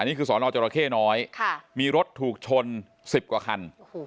นี่คือสอนอจรเข้น้อยมีรถถูกชน๑๐กว่าคัน